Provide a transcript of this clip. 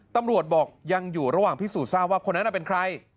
ตำรวจบอกยังอยู่ระหว่างพิสูจนทราบว่าคนนั้นเป็นใคร